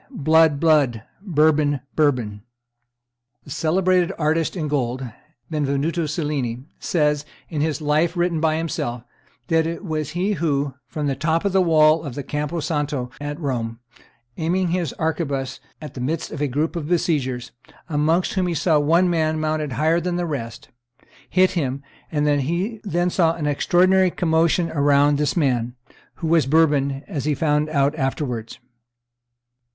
blood, blood! Bourbon, Bourbon!'" [Brantome, t. i. pp. 262 269.] The celebrated artist in gold, Benvenuto Cellini, says, in his Life written by himself, that it was he who, from the top of the wall of the Campo Santo at Rome, aiming his arquebuse at the midst of a group of besiegers, amongst whom he saw one man mounted higher than the rest, hit him, and that he then saw an extraordinary commotion around this man, who was Bourbon, as he found out afterwards.